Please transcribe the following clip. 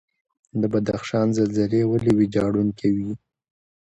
د بدخشان زلزلې ولې ویجاړونکې وي؟